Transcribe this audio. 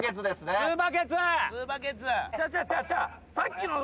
さっきの。